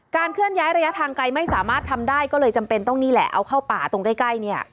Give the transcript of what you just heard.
เคลื่อนย้ายระยะทางไกลไม่สามารถทำได้ก็เลยจำเป็นต้องนี่แหละเอาเข้าป่าตรงใกล้เนี่ย